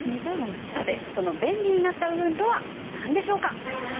さて、その便利になった部分とはなんでしょうか。